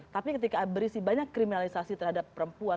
tapi ketika berisi banyak kriminalisasi terhadap perempuan